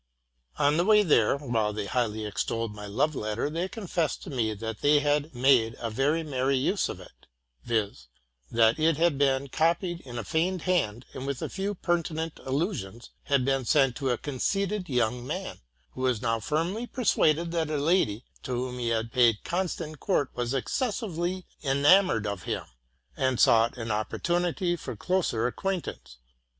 On the way there, while they highly extolled my love let ter, they confessed to me that they had made a very merry use of it; viz., that it had been copied in a feigned hand, and, with a few pertinent allusions, had been sent to a con ceited young man, who was now firmly persuaded that a lady to whom he had paid distant court was excessively enam RELATING TO MY LIFE. 137 ored of him, and sought an opportunity for closer acquaint ance.